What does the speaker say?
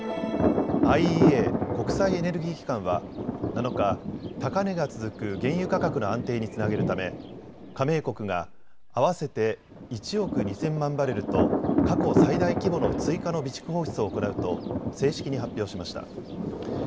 ＩＥＡ・国際エネルギー機関は７日、高値が続く原油価格の安定につなげるため加盟国が合わせて１億２０００万バレルと過去最大規模の追加の備蓄放出を行うと正式に発表しました。